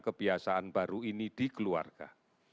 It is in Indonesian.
kebiasaan baru ini di keluarga